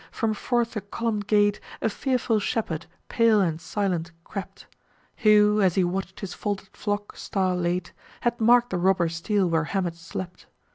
from forth a column'd gate A fearful shepherd, pale and silent, crept, Who, as he watch'd his folded flock star late, Had mark'd the robber steal where Hamet slept.